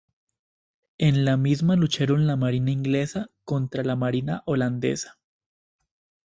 En la misma lucharon la marina inglesa contra la marina holandesa.